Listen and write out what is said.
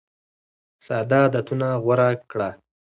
ساده عادتونه غوره کړه.